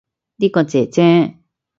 呢個姐姐